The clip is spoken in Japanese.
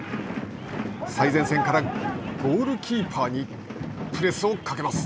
最前線からゴールキーパーにプレスをかけます。